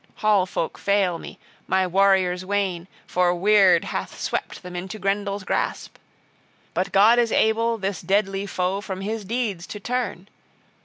Hall folk fail me, my warriors wane; for Wyrd hath swept them into Grendel's grasp. But God is able this deadly foe from his deeds to turn!